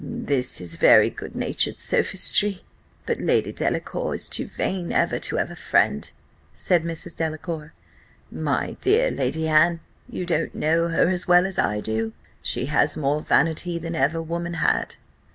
"This is very good natured sophistry; but Lady Delacour is too vain ever to have a friend," said Mrs. Delacour. "My dear Lady Anne, you don't know her as well as I do she has more vanity than ever woman had."